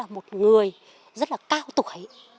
rất là một người rất là cao tuổi